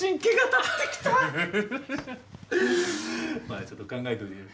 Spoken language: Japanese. まあちょっと考えておいてよ。